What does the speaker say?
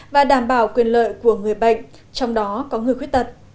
và đảm bảo quyền lợi của người bệnh trong đó có người khuyết tật